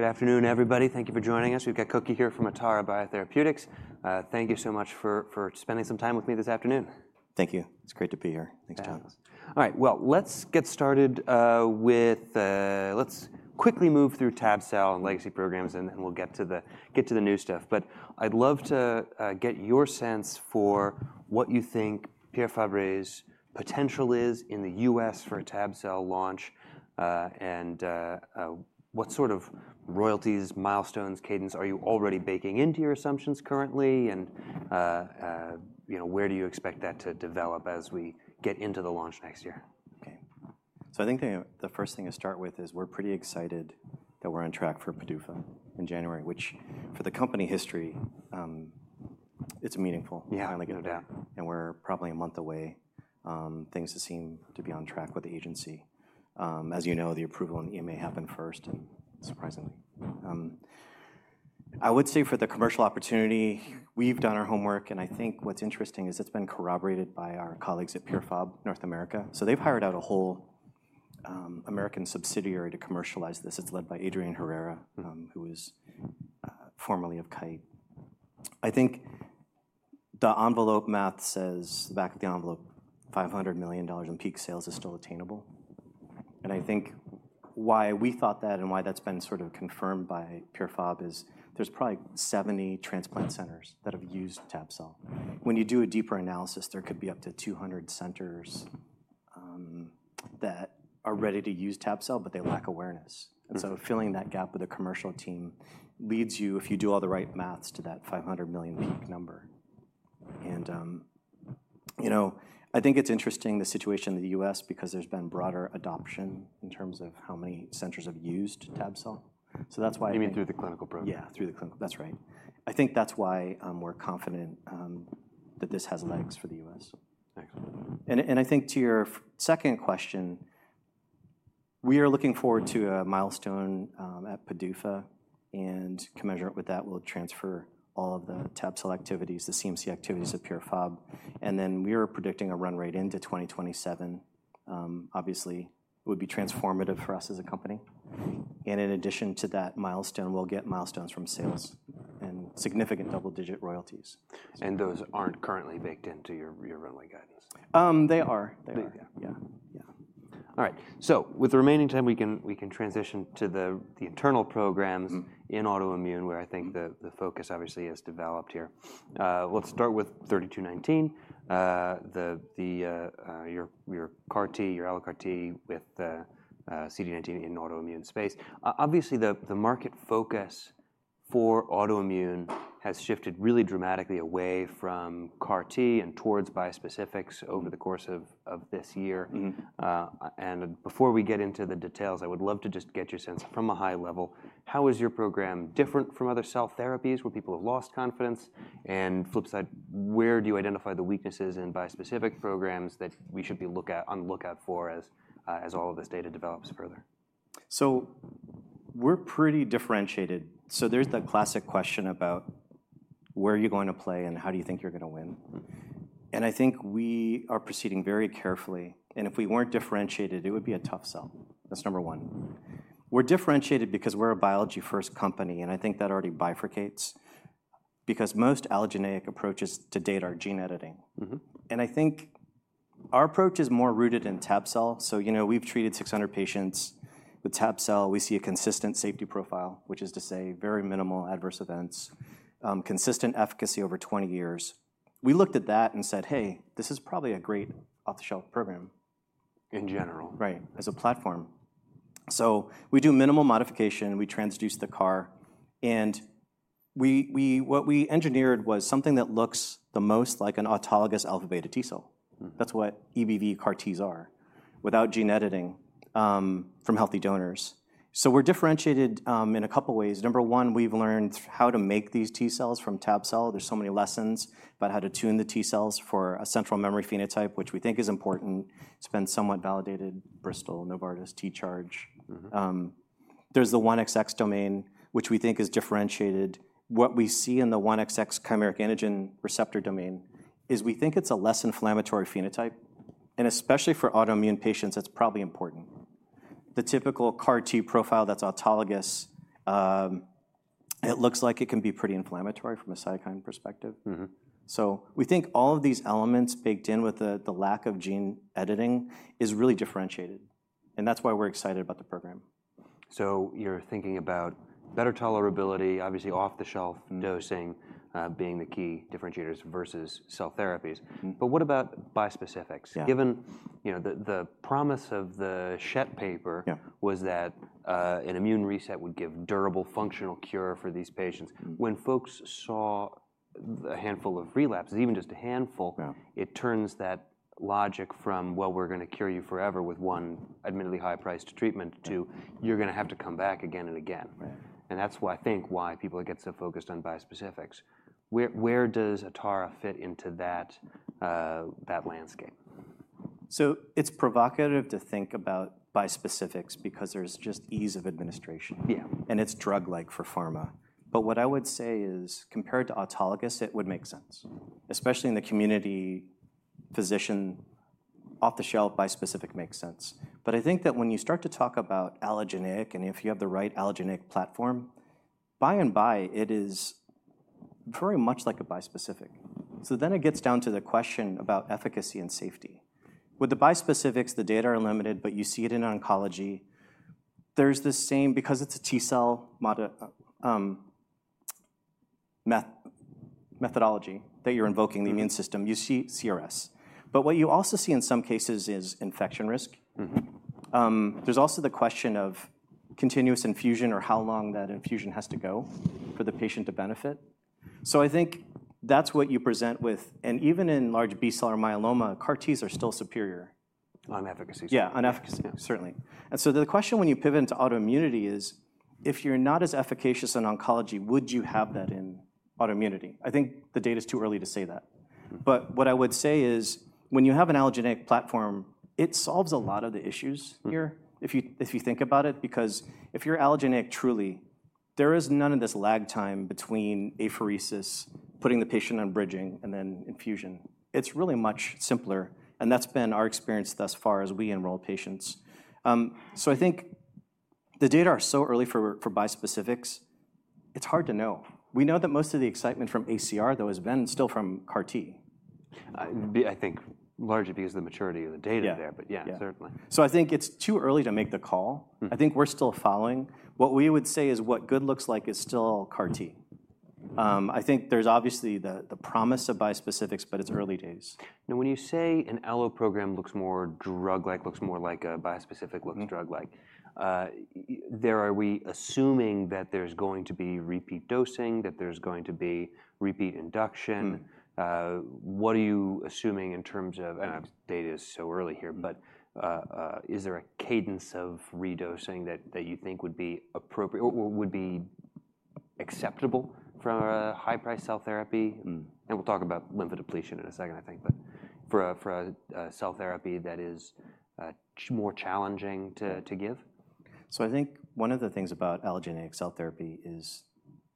Good afternoon, everybody. Thank you for joining us. We've got Cokey here from Atara Biotherapeutics. Thank you so much for spending some time with me this afternoon. Thank you. It's great to be here. Thanks for having us. All right. Well, let's get started with, let's quickly move through tab-cel and legacy programs, and we'll get to the new stuff. But I'd love to get your sense for what you think Pierre Fabre's potential is in the U.S. for a tab-cel launch, and what sort of royalties, milestones, cadence are you already baking into your assumptions currently, and where do you expect that to develop as we get into the launch next year? So I think the first thing to start with is we're pretty excited that we're on track for PDUFA in January, which for the company history, it's meaningful. Yeah. We're probably a month away. Things seem to be on track with the agency. As you know, the approval on EMA happened first, surprisingly. I would say for the commercial opportunity, we've done our homework, and I think what's interesting is it's been corroborated by our colleagues at Pierre Fabre North America. They've hired out a whole American subsidiary to commercialize this. It's led by Adrian Herrera, who is formerly of Kite. I think the envelope math says the back of the envelope, $500 million in peak sales is still attainable. I think why we thought that and why that's been sort of confirmed by Pierre Fabre is there's probably 70 transplant centers that have used tab-cel. When you do a deeper analysis, there could be up to 200 centers that are ready to use tab-cel, but they lack awareness. And so filling that gap with a commercial team leads you, if you do all the right math, to that $500 million peak number. And I think it's interesting, the situation in the U.S., because there's been broader adoption in terms of how many centers have used tab-cel. So that's why. You mean through the clinical program? Yeah, through the clinical. That's right. I think that's why we're confident that this has legs for the U.S. Excellent. I think to your second question, we are looking forward to a milestone at PDUFA, and commensurate with that, we'll transfer all of the tab-cel activities, the CMC activities of Pierre Fabre. Then we are predicting a run rate into 2027. Obviously, it would be transformative for us as a company. In addition to that milestone, we'll get milestones from sales and significant double-digit royalties. Those aren't currently baked into your runway guidance? They are. They are. Yeah. Yeah. All right. So with the remaining time, we can transition to the internal programs in autoimmune where I think the focus obviously has developed here. Let's start with 3219, your CAR-T, your allogeneic CAR-T with CD19 in autoimmune space. Obviously, the market focus for autoimmune has shifted really dramatically away from CAR-T and towards bispecifics over the course of this year. Before we get into the details, I would love to just get your sense from a high level, how is your program different from other cell therapies where people have lost confidence? On the flip side, where do you identify the weaknesses in bispecific programs that we should be on the lookout for as all of this data develops further? We're pretty differentiated. There's the classic question about where are you going to play and how do you think you're going to win? I think we are proceeding very carefully. If we weren't differentiated, it would be a tough sell. That's number one. We're differentiated because we're a biology-first company, and I think that already bifurcates because most allogeneic approaches to date are gene editing. I think our approach is more rooted in tab-cel. We've treated 600 patients with tab-cel. We see a consistent safety profile, which is to say very minimal adverse events, consistent efficacy over 20 years. We looked at that and said, hey, this is probably a great off-the-shelf program. In general. Right, as a platform. So we do minimal modification. We transduced the CAR. And what we engineered was something that looks the most like an autologous alpha-beta T cell. That's what EBV CAR-Ts are, without gene editing from healthy donors. So we're differentiated in a couple of ways. Number one, we've learned how to make these T cells from tab-cel. There's so many lessons about how to tune the T cells for a central memory phenotype, which we think is important. It's been somewhat validated. Bristol, Novartis, T-Charge. There's the 1XX domain, which we think is differentiated. What we see in the 1XX chimeric antigen receptor domain is we think it's a less inflammatory phenotype. And especially for autoimmune patients, that's probably important. The typical CAR-T profile that's autologous, it looks like it can be pretty inflammatory from a cytokine perspective. So we think all of these elements baked in with the lack of gene editing is really differentiated. And that's why we're excited about the program. So you're thinking about better tolerability, obviously off-the-shelf dosing being the key differentiators versus cell therapies. But what about bispecifics? Given the promise of the Schett paper was that an immune reset would give durable functional cure for these patients, when folks saw a handful of relapses, even just a handful, it turns that logic from, well, we're going to cure you forever with one admittedly high-priced treatment to you're going to have to come back again and again. And that's why I think people get so focused on bispecifics. Where does Atara fit into that landscape? So it's provocative to think about bispecifics because there's just ease of administration. Yeah. And it's drug-like for pharma. But what I would say is compared to autologous, it would make sense, especially in the community physician, off-the-shelf bispecific makes sense. But I think that when you start to talk about allogeneic and if you have the right allogeneic platform, by and by, it is very much like a bispecific. So then it gets down to the question about efficacy and safety. With the bispecifics, the data are limited, but you see it in oncology. There's the same, because it's a T-cell methodology that you're invoking the immune system, you see CRS. But what you also see in some cases is infection risk. There's also the question of continuous infusion or how long that infusion has to go for the patient to benefit. So I think that's what you present with. And even in large B-cell or myeloma, CAR-Ts are still superior. On efficacy. Yeah, on efficacy, certainly. And so the question when you pivot into autoimmunity is, if you're not as efficacious in oncology, would you have that in autoimmunity? I think the data is too early to say that. But what I would say is when you have an allogeneic platform, it solves a lot of the issues here if you think about it, because if you're allogeneic truly, there is none of this lag time between apheresis, putting the patient on bridging, and then infusion. It's really much simpler. And that's been our experience thus far as we enroll patients. So I think the data are so early for bispecifics, it's hard to know. We know that most of the excitement from ACR, though, has been still from CAR-T. I think largely because of the maturity of the data there. But yeah, certainly. So I think it's too early to make the call. I think we're still following. What we would say is what good looks like is still CAR-T. I think there's obviously the promise of bispecifics, but it's early days. Now, when you say an allo program looks more drug-like, looks more like a bispecific, looks drug-like, are we assuming that there's going to be repeat dosing, that there's going to be repeat induction? What are you assuming in terms of, and data is so early here, but is there a cadence of redosing that you think would be acceptable for a high-priced cell therapy? And we'll talk about lymphodepletion in a second, I think, but for a cell therapy that is more challenging to give? So I think one of the things about allogeneic cell therapy is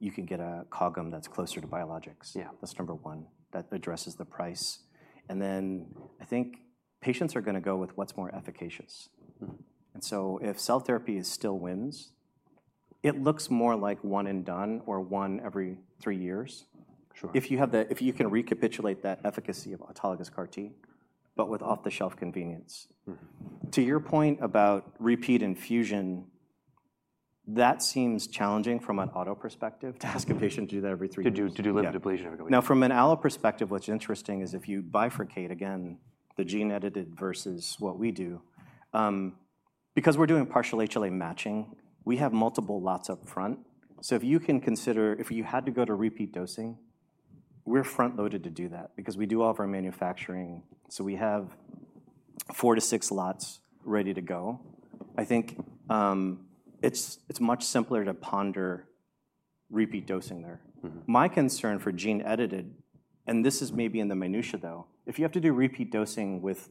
you can get a COGM that's closer to biologics. Yeah. That's number one, that addresses the price. And then I think patients are going to go with what's more efficacious. And so if cell therapy still wins, it looks more like one and done or one every three years. Sure. If you can recapitulate that efficacy of autologous CAR-T, but with off-the-shelf convenience. To your point about repeat infusion, that seems challenging from an auto perspective to ask a patient to do that every three years. To do lymphodepletion every three years. Now, from an allo perspective, what's interesting is if you bifurcate, again, the gene edited versus what we do, because we're doing partial HLA matching, we have multiple lots up front. So if you can consider, if you had to go to repeat dosing, we're front-loaded to do that because we do all of our manufacturing. So we have four to six lots ready to go. I think it's much simpler to ponder repeat dosing there. My concern for gene edited, and this is maybe in the minutiae, though, if you have to do repeat dosing with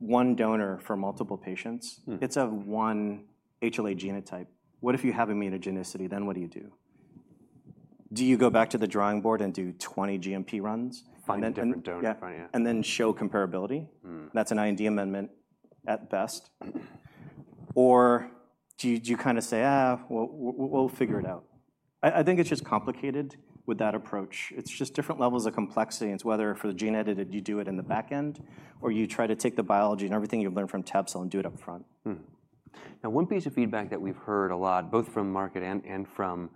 one donor for multiple patients, it's a one HLA genotype. What if you have immunogenicity? Then what do you do? Do you go back to the drawing board and do 20 GMP runs? Find a different donor. Yeah, and then show comparability? That's an IND amendment at best. Or do you kind of say, we'll figure it out? I think it's just complicated with that approach. It's just different levels of complexity. And it's whether for the gene edited, you do it in the back end, or you try to take the biology and everything you've learned from tab-cel and do it up front. Now, one piece of feedback that we've heard a lot, both from market and from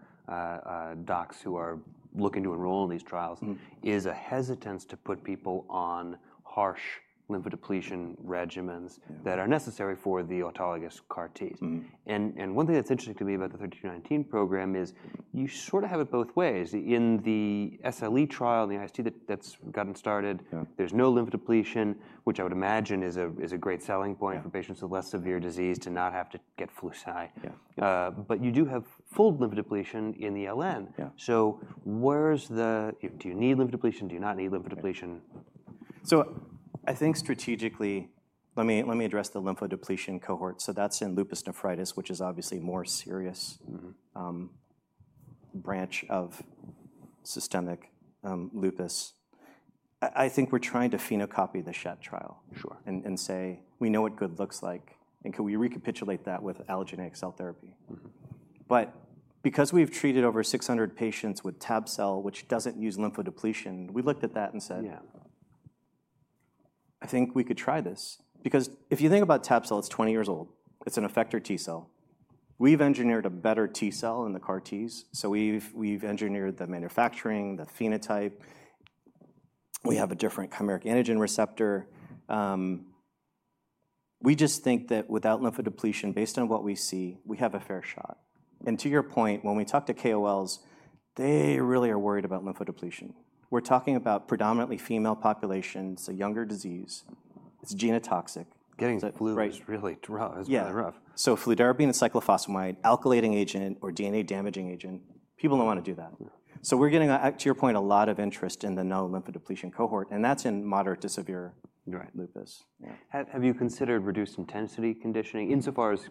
docs who are looking to enroll in these trials, is a hesitance to put people on harsh lymphodepletion regimens that are necessary for the autologous CAR-Ts. And one thing that's interesting to me about the 3219 program is you sort of have it both ways. In the SLE trial in the IST that's gotten started, there's no lymphodepletion, which I would imagine is a great selling point for patients with less severe disease to not have to get fludarabine. But you do have full lymphodepletion in the LN. So where's the, do you need lymphodepletion? Do you not need lymphodepletion? I think strategically, let me address the lymphodepletion cohort. That's in lupus nephritis, which is obviously a more serious branch of systemic lupus. I think we're trying to phenocopy the Schett trial. Sure. And say, we know what good looks like. And can we recapitulate that with allogeneic cell therapy? But because we've treated over 600 patients with tab-cel, which doesn't use lymphodepletion, we looked at that and said, I think we could try this. Because if you think about tab-cel, it's 20 years old. It's an effector T-cell. We've engineered a better T-cell in the CAR-Ts. So we've engineered the manufacturing, the phenotype. We have a different chimeric antigen receptor. We just think that without lymphodepletion, based on what we see, we have a fair shot. And to your point, when we talk to KOLs, they really are worried about lymphodepletion. We're talking about predominantly female populations. It's a younger disease. It's genotoxic. Getting flu is really rough. Yeah, so fludarabine and cyclophosphamide, alkylating agent or DNA damaging agent, people don't want to do that, so we're getting, to your point, a lot of interest in the no lymphodepletion cohort, and that's in moderate to severe lupus. Have you considered reduced intensity conditioning insofar as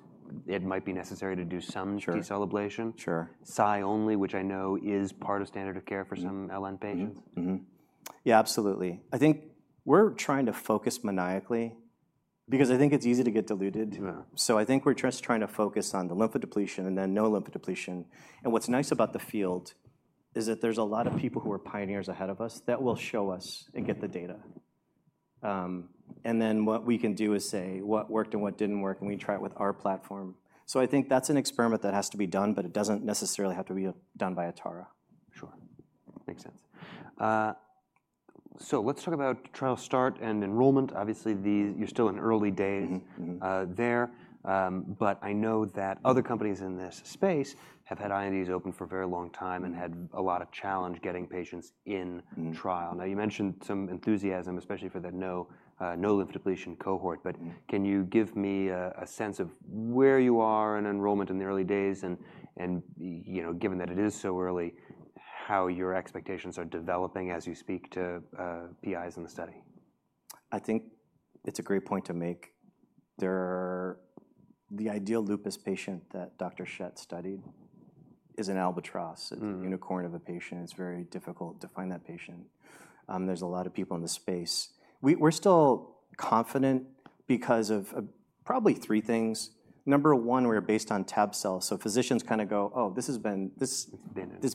it might be necessary to do some T-cell ablation? Sure. SLE only, which I know is part of standard of care for some LN patients? Yeah, absolutely. I think we're trying to focus maniacally because I think it's easy to get diluted. So I think we're just trying to focus on the lymphodepletion and then no lymphodepletion. And what's nice about the field is that there's a lot of people who are pioneers ahead of us that will show us and get the data. And then what we can do is say what worked and what didn't work, and we try it with our platform. So I think that's an experiment that has to be done, but it doesn't necessarily have to be done by Atara. Sure. Makes sense. So let's talk about trial start and enrollment. Obviously, you're still in early days there. But I know that other companies in this space have had INDs open for a very long time and had a lot of challenge getting patients in trial. Now, you mentioned some enthusiasm, especially for the no lymphodepletion cohort. But can you give me a sense of where you are in enrollment in the early days and given that it is so early, how your expectations are developing as you speak to PIs in the study? I think it's a great point to make. The ideal lupus patient that Dr. Schett studied is an albatross. It's a unicorn of a patient. It's very difficult to find that patient. There's a lot of people in the space. We're still confident because of probably three things. Number one, we're based on tab-cel. So physicians kind of go, oh, this has been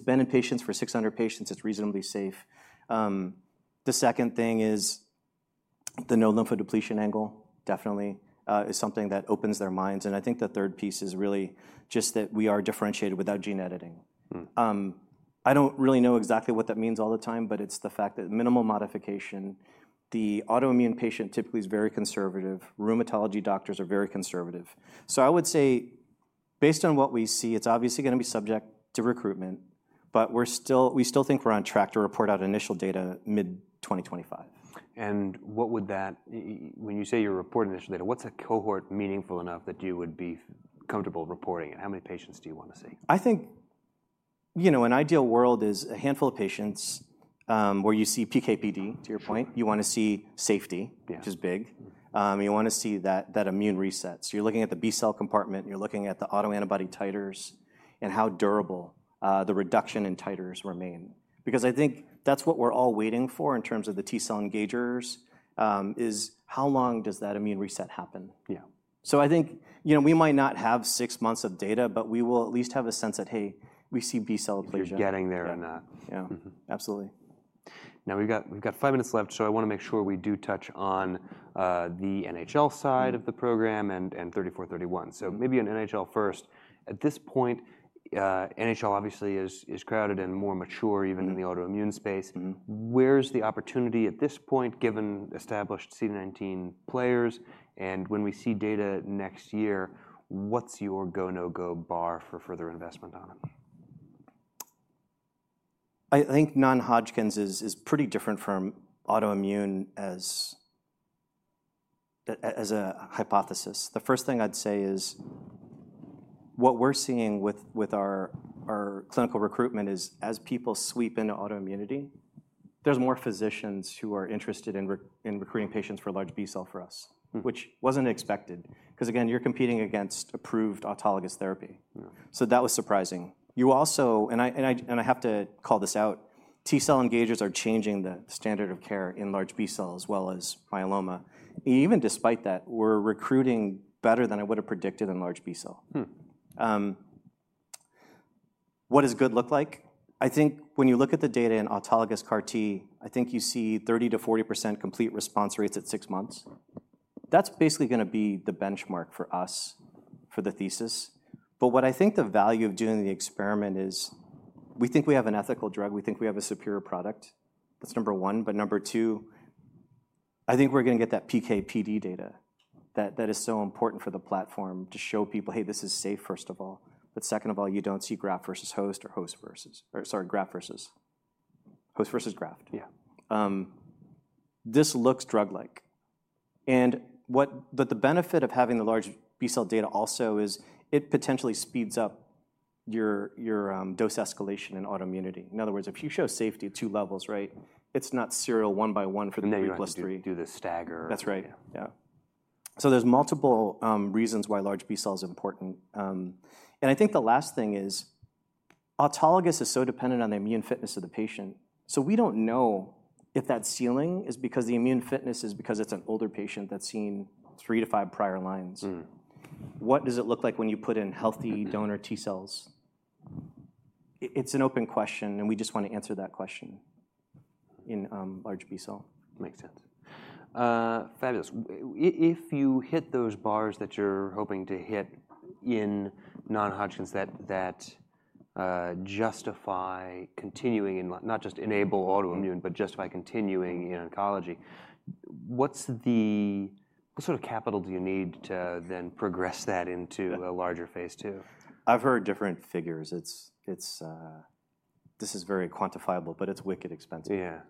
in patients for 600 patients. It's reasonably safe. The second thing is the no lymphodepletion angle, definitely, is something that opens their minds. And I think the third piece is really just that we are differentiated without gene editing. I don't really know exactly what that means all the time, but it's the fact that minimal modification, the autoimmune patient typically is very conservative. Rheumatology doctors are very conservative. I would say, based on what we see, it's obviously going to be subject to recruitment, but we still think we're on track to report out initial data mid-2025. What would that, when you say you're reporting initial data, what's a cohort meaningful enough that you would be comfortable reporting it? How many patients do you want to see? I think, you know, an ideal world is a handful of patients where you see PK/PD, to your point. You want to see safety, which is big. You want to see that immune reset. So you're looking at the B-cell compartment. You're looking at the autoantibody titers and how durable the reduction in titers remain. Because I think that's what we're all waiting for in terms of the T-cell engagers is how long does that immune reset happen? Yeah. So I think, you know, we might not have six months of data, but we will at least have a sense that, hey, we see B-cell ablation. You're getting there or not. Yeah, absolutely. Now, we've got five minutes left, so I want to make sure we do touch on the NHL side of the program and 3431. So maybe an NHL first. At this point, NHL obviously is crowded and more mature even in the autoimmune space. Where's the opportunity at this point, given established CD19 players? And when we see data next year, what's your go, no-go bar for further investment on it? I think non-Hodgkin is pretty different from autoimmune as a hypothesis. The first thing I'd say is what we're seeing with our clinical recruitment is as people sweep into autoimmunity, there's more physicians who are interested in recruiting patients for large B-cell for us, which wasn't expected. Because again, you're competing against approved autologous therapy. So that was surprising. You also, and I have to call this out, T-cell engagers are changing the standard of care in large B-cell as well as myeloma. Even despite that, we're recruiting better than I would have predicted in large B-cell. What does good look like? I think when you look at the data in autologous CAR-T, I think you see 30%-40% complete response rates at six months. That's basically going to be the benchmark for us for the thesis. But what I think the value of doing the experiment is we think we have an ethical drug. We think we have a superior product. That's number one. But number two, I think we're going to get that PKPD data that is so important for the platform to show people, hey, this is safe, first of all. But second of all, you don't see graft versus host or host versus, or sorry, graft versus host versus graft. Yeah. This looks drug-like. But the benefit of having the large B-cell data also is it potentially speeds up your dose escalation in autoimmunity. In other words, if you show safety at two levels, right, it's not serial one by one for the three plus three. And then you do the staggered. That's right. Yeah. So there's multiple reasons why large B-cell is important. And I think the last thing is autologous is so dependent on the immune fitness of the patient. So we don't know if that ceiling is because the immune fitness is because it's an older patient that's seen three to five prior lines. What does it look like when you put in healthy donor T cells? It's an open question, and we just want to answer that question in large B-cell. Makes sense. Fabulous. If you hit those bars that you're hoping to hit in non-Hodgkin's that justify continuing in not just enable autoimmune, but justify continuing in oncology, what sort of capital do you need to then progress that into a larger phase 2? I've heard different figures. This is very quantifiable, but it's wicked expensive.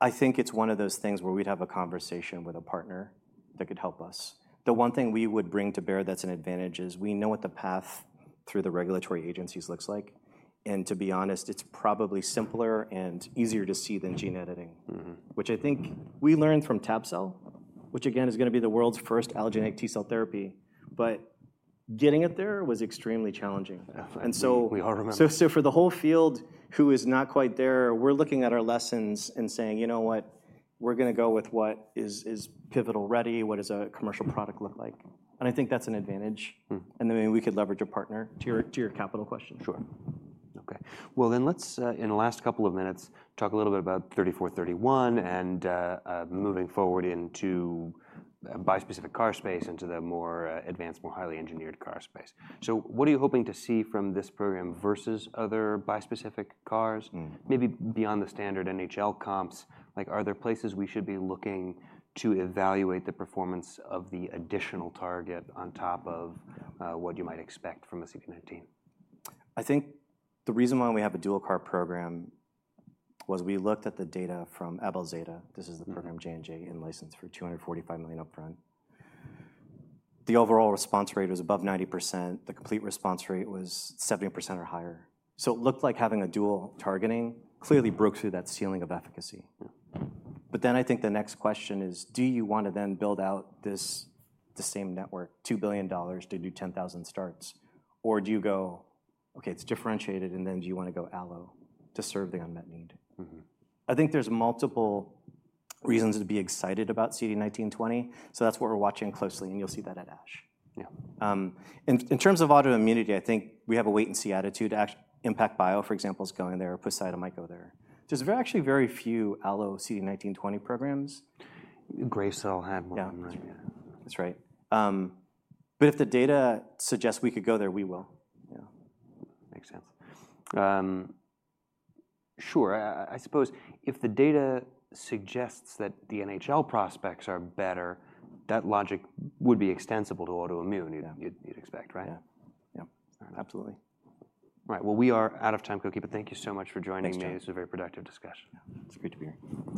Yeah. I think it's one of those things where we'd have a conversation with a partner that could help us. The one thing we would bring to bear that's an advantage is we know what the path through the regulatory agencies looks like. And to be honest, it's probably simpler and easier to see than gene editing, which I think we learned from tab-cel, which again is going to be the world's first allogeneic T cell therapy. But getting it there was extremely challenging. We all remember. So for the whole field who is not quite there, we're looking at our lessons and saying, you know what, we're going to go with what is pivotal ready. What does a commercial product look like? And I think that's an advantage. And then we could leverage a partner to your capital question. Sure. Okay. Well, then let's, in the last couple of minutes, talk a little bit about 3431 and moving forward into bispecific CAR space, into the more advanced, more highly engineered CAR space. So what are you hoping to see from this program versus other bispecific CARs? Maybe beyond the standard NHL comps, like are there places we should be looking to evaluate the performance of the additional target on top of what you might expect from a CD19? I think the reason why we have a dual CAR program was we looked at the data from AbelZeta. This is the program J&J in-licensed for $245 million upfront. The overall response rate was above 90%. The complete response rate was 70% or higher. So it looked like having a dual targeting clearly broke through that ceiling of efficacy. But then I think the next question is, do you want to then build out this same network, $2 billion to do 10,000 starts? Or do you go, okay, it's differentiated, and then do you want to go allo to serve the unmet need? I think there's multiple reasons to be excited about CD19/20. So that's what we're watching closely, and you'll see that at ASH. Yeah. In terms of autoimmunity, I think we have a wait and see attitude. ImmPACT Bio, for example, is going there. Poseida might go there. There's actually very few allo CD19/20 programs. Gracell had one online. That's right. But if the data suggests we could go there, we will. Yeah. Makes sense. Sure. I suppose if the data suggests that the NHL prospects are better, that logic would be extensible to autoimmune, you'd expect, right? Yeah. Yeah. Absolutely. All right. Well, we are out of time, Cokey Nguyen. Thank you so much for joining me. Thank you. This was a very productive discussion. It's great to be here.